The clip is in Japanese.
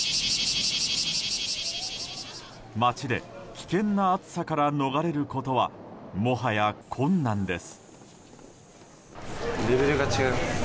街で危険な暑さから逃れることは、もはや困難です。